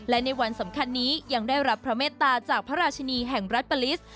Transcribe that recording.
และในวันสำคัญนี้ยังได้รับพระเมตตาจากพระราชินีแห่งรัฐปาลิสต์